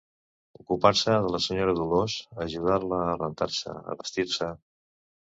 Ocupar-se de la senyora Dolors, ajudar-la a rentar-se, a vestir-se.